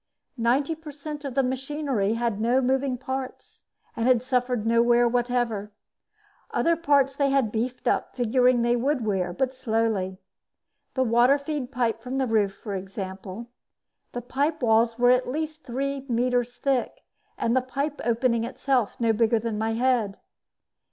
Ninety per cent of the machinery had no moving parts and had suffered no wear whatever. Other parts they had beefed up, figuring they would wear, but slowly. The water feed pipe from the roof, for example. The pipe walls were at least three meters thick and the pipe opening itself no bigger than my head.